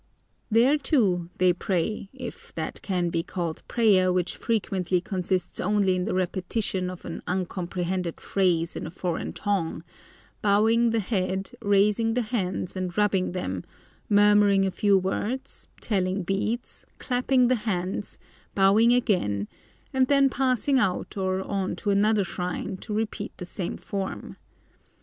There, too, they pray, if that can be called prayer which frequently consists only in the repetition of an uncomprehended phrase in a foreign tongue, bowing the head, raising the hands and rubbing them, murmuring a few words, telling beads, clapping the hands, bowing again, and then passing out or on to another shrine to repeat the same form.